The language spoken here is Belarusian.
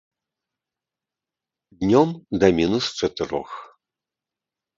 Днём да мінус чатырох.